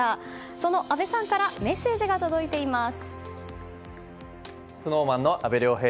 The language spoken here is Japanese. その阿部さんからメッセージが届いています。